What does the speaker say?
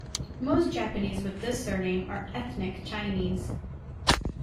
Most Japanese with this surname are ethnic Chinese.